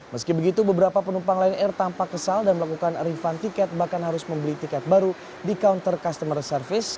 meski begitu beberapa penumpang lion air tampak kesal dan melakukan refund tiket bahkan harus membeli tiket baru di counter customer service